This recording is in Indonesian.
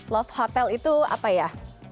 love hotel itu apa ya